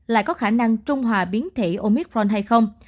lại có khả năng trung hòa biến thể omicron hay không